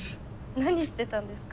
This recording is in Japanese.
何してたんですか？